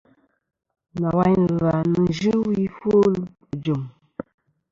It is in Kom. Nawayn ɨ̀lvɨ-a nɨn yɨ wi ɨfwo ɨjɨ̀m.